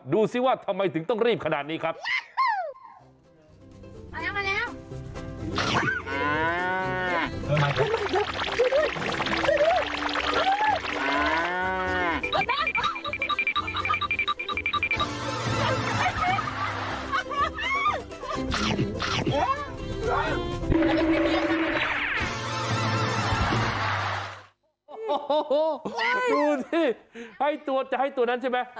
ดูสิไม่ทรวจจะให้ตัวนั้นใช่ไหม